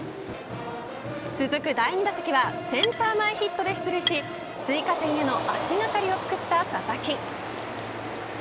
続く第２打席はセンター前ヒットで出塁し追加点への足掛かりを作った佐々木。